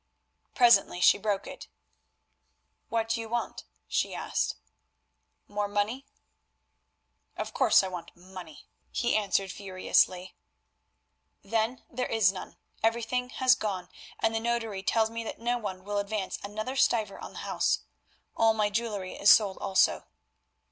Presently she broke it. "What do you want?" she asked. "More money?" "Of course I want money," he answered furiously. "Then there is none; everything has gone, and the notary tells me that no one will advance another stiver on the house. All my jewellery is sold also."